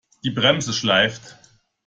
Die Bremse schleift.